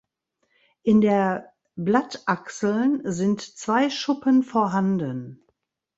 In der Blattachseln sind zwei Schuppen vorhanden.